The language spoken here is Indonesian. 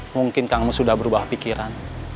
mungkin kang mus udah berubah pikiran